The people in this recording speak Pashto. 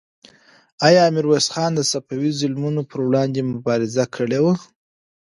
آیا میرویس خان د صفوي ظلمونو پر وړاندې مبارزه کړې وه؟